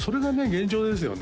現状ですよね